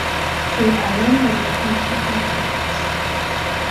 They are random mathematical facts.